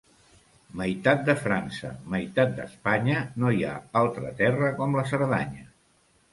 Meitat de França, meitat d'Espanya, no hi ha altra terra com la Cerdanya.